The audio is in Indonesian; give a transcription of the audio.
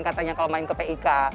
katanya kalau main ke pik